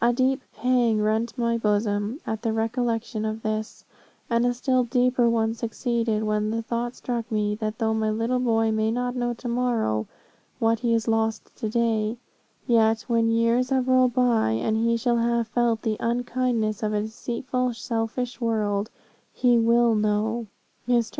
A deep pang rent my bosom at the recollection of this, and a still deeper one succeeded when the thought struck me, that though my little boy may not know to morrow what he has lost to day, yet when years have rolled by, and he shall have felt the unkindness of a deceitful, selfish world, he will know. "Mr.